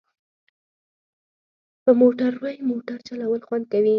په موټروی موټر چلول خوند کوي